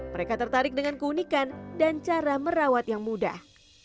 mereka tertarik dengan keunikan dan cara merawat yang mudah